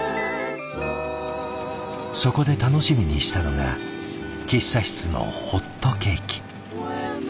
そこで楽しみにしたのが喫茶室のホットケーキ。